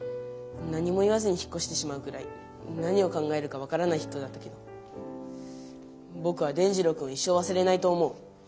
何も言わずに引っこしてしまうぐらい何を考えるか分からない人だったけどぼくは伝じろうくんを一生わすれないと思う。